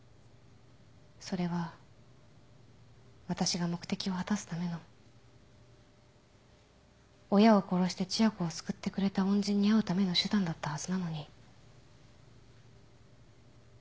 それは私が目的を果たすための親を殺して千夜子を救ってくれた恩人に会うための手段だったはずなのに